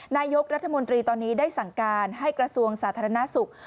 นายกรัฐมนตรีตอนนี้ได้สั่งการให้กระทรวงสาธารณสุข